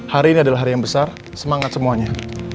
hari ini adalah hari yang besar semangat semuanya